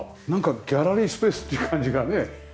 なんかギャラリースペースっていう感じがね。